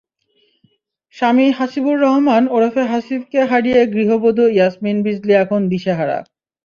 স্বামী হাসিবুর রহমান ওরফে হাসিবকে হারিয়ে গৃহবধূ ইয়াসমিন বিজলী এখন দিশেহারা।